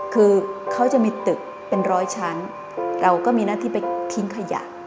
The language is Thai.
คือเขาจะมีตึกเป็นร้อยชั้นเราก็มีหน้าที่ไปทิ้งขยะ